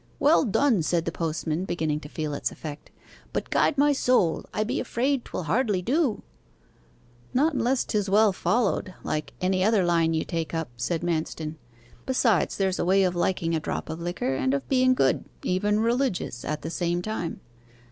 'Well done!' said the postman, beginning to feel its effect; 'but guide my soul, I be afraid 'twill hardly do!' 'Not unless 'tis well followed, like any other line you take up,' said Manston. 'Besides, there's a way of liking a drop of liquor, and of being good even religious at the same time.